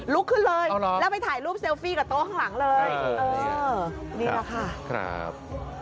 ลุกขึ้นเลยแล้วไปถ่ายรูปเซลฟี่กับโต๊ะข้างหลังเลยเออนี่แหละค่ะครับ